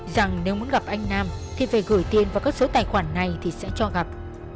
rằng nếu muốn gặp anh nam thì phải gửi tiền vào các số tài khoản này thì sẽ cho gặp